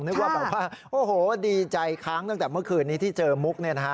นึกว่าอยู่ว่าโอ้โหดีใจค้างตั้งแต่เมื่อคืนนี้ที่เจอมุก